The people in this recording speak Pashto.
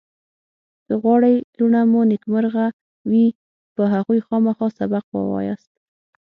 که غواړئ لوڼه مو نېکمرغ وي په هغوی خامخا سبق ووایاست